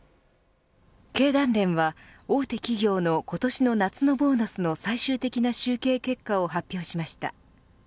経団連は大手企業の今年の夏のボーナスの最終的な集計結果を発表しました。